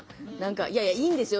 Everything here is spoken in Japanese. いやいやいいんですよ。